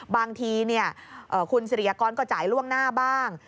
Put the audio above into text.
บางทีคุณสิริยากรก็จ่ายล่วงหน้าบ้าง